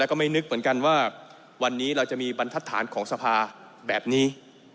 แล้วก็ไม่นึกเหมือนกันว่าวันนี้เราจะมีบรรทัศนของสภาแบบนี้